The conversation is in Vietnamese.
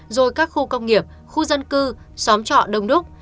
rồi các khu công nghiệp khu dân cư xóm trọ đông đúc